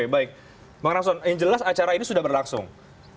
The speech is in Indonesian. baik bang rason yang jelas acara ini sudah berlangsung